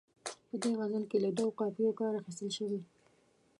په دې غزل کې له دوو قافیو کار اخیستل شوی.